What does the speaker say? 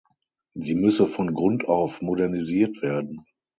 Sie müsse von Grund auf modernisiert werden.